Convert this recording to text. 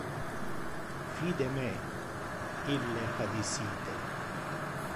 Fide me, ille ha dicite.